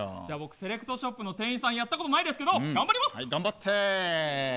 セレクトショップの店員さんやったことないですけど頑張って。